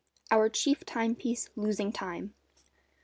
_OUR CHIEF TIME PIECE LOSING TIME.